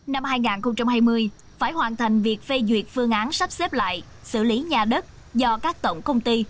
năm hai nghìn hai mươi phải hoàn thành việc phê duyệt phương án sắp xếp lại xử lý nhà đất do các tổng công ty